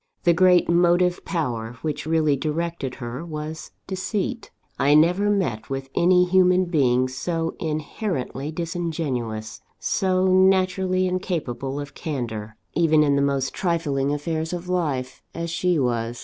The great motive power which really directed her, was Deceit. I never met with any human being so inherently disingenuous, so naturally incapable of candour even in the most trifling affairs of life, as she was.